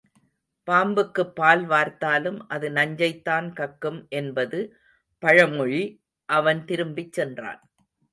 பாம்புக்குப் பால் வார்த்தாலும் அது நஞ்சைத்தான் கக்கும் என்பது பழமொழி அவன் திரும்பிச் சென்றான்.